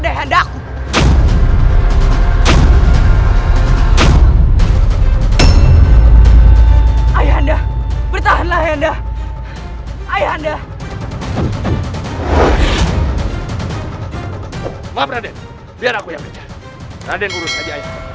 ayah haneh bertarung dengan gue si prabu siliwangi